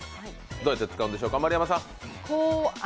どうやって使うんでしょうか？